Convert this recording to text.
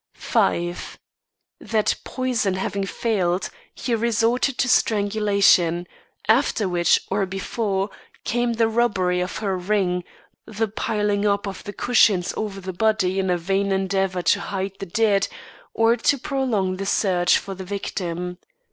5. That poison having failed, he resorted to strangulation; after which or before came the robbery of her ring, the piling up of the cushions over the body in a vain endeavour to hide the deed, or to prolong the search for the victim.